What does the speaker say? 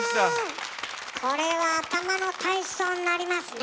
これは頭の体操になりますね。